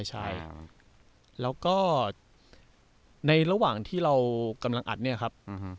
ใช่แล้วก็ในระหว่างที่เรากำลังอัดเนี่ยครับ